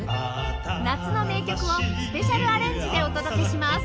夏の名曲をスペシャルアレンジでお届けします